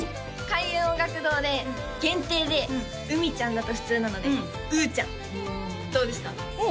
開運音楽堂で限定で「うみちゃん」だと普通なので「うーちゃん」どうですか？